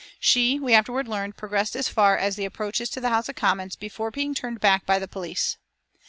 She, we afterward learned, progressed as far as the approaches to the House of Commons before being turned back by the police.